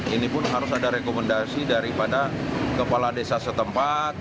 ini pun harus ada rekomendasi daripada kepala desa setempat